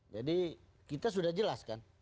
jadi kita sudah jelas kan